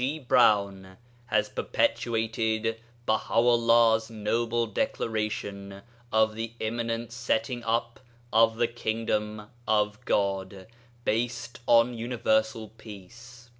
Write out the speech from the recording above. G. Browne has perpetuated Baha 'ullah's noble declaration of the imminent setting up of the kingdom of God, based upon universal peace.